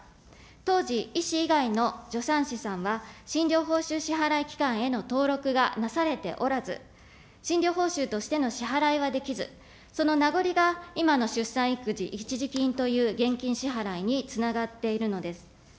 当時、医師以外の助産師さんは、診療報酬支払い機関への登録がなされておらず、診療報酬としての支払いはできず、その名残が今の出産育児一時金という現金支払いにつながっているのです。